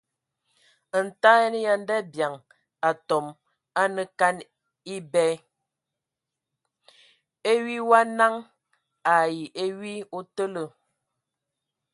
Ntaɛn ya ndabiaŋ atɔm anə kan ebɛ :e wi wa naŋ ai e wi o tələ.